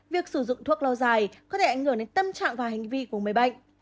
việc sử dụng thuốc lo dài có thể ảnh hưởng đến tâm trạng và hành vi của mấy bệnh